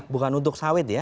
bukan untuk sawit ya